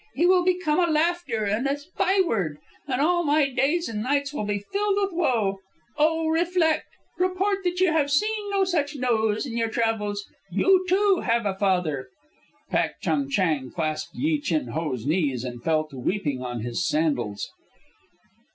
He will become a laughter and a byword, and all my days and nights will be filled with woe. O reflect! Report that you have seen no such nose in your travels. You, too, have a father." Pak Chung Chang clasped Yi Chin Ho's knees and fell to weeping on his sandals.